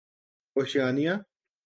Oceania